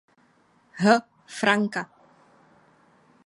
H. Franka.